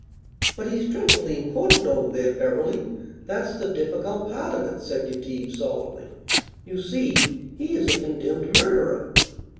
"But he's dreadfully important over there, Beverly; that's the difficult part of it," said Yetive, solemnly. "You see, he is a condemned murderer."